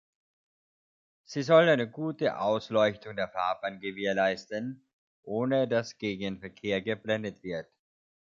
Sie soll eine gute Ausleuchtung der Fahrbahn gewährleisten, ohne dass Gegenverkehr geblendet wird.